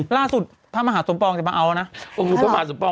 บุกบ้านจะมาขอกล้วยด่าง